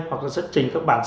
hoặc là xuất trình các bản thân